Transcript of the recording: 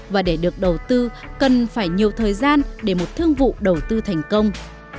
và để được đầu tư cần phải nhiều thời gian để một thương vụ đầu tư thành công